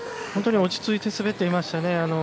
本当に落ち着いて滑っていましたね。